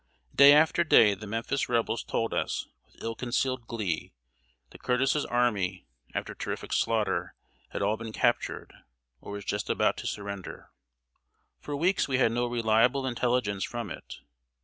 ] Day after day, the Memphis Rebels told us, with ill concealed glee, that Curtis's army, after terrific slaughter, had all been captured, or was just about to surrender. For weeks we had no reliable intelligence from it.